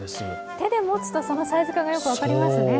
手で持つとそのサイズ感がよく分かりますね。